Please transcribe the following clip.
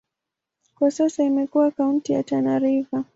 Kwa sasa imekuwa kaunti ya Tana River.